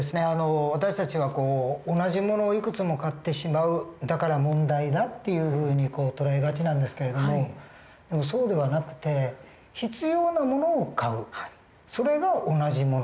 私たちは同じ物をいくつも買ってしまうだから問題だっていうふうに捉えがちなんですけれどもそうではなくて必要な物を買うそれが同じ物。